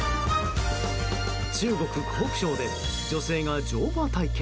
中国・湖北省で女性が乗馬体験。